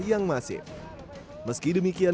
yang masif meski demikian